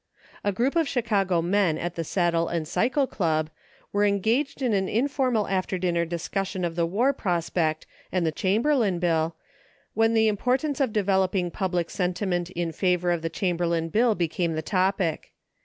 A group of Chicago men at the Saddle & Cycle Club were engaged in an informal after dinner discussion of the war prospect and the Chamberlain bill, when the importance of de veloping public sentiment in favor of the Chamberlain bill became the topic.